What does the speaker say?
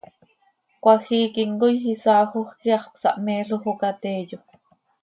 Cmajiic himcoi isaajoj quih hax cösahmeeloj oo ca teeyo.